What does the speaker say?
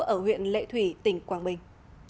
ở huyện lệ thủy tỉnh quảng bình